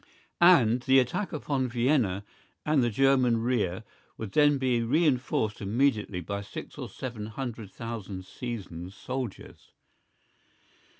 And the attack upon Vienna and the German rear would then be reinforced immediately by six or seven hundred thousand seasoned soldiers.